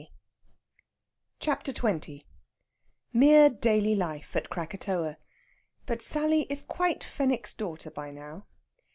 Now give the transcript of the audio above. CHAPTER XX MERE DAILY LIFE AT KRAKATOA. BUT SALLY IS QUITE FENWICK'S DAUGHTER BY NOW.